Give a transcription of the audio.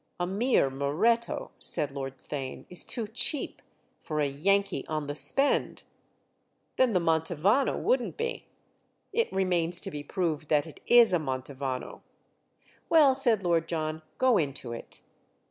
A mere Moretto," said Lord Theign, "is too cheap—for a Yankee 'on the spend.'" "Then the Mantovano wouldn't be." "It remains to be proved that it is a Mantovano." "Well," said Lord John, "go into it."